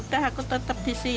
udah aku tetap di sini